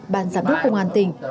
bàn giám đốc công an tỉnh